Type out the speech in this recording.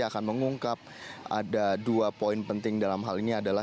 akan mengungkap ada dua poin penting dalam hal ini adalah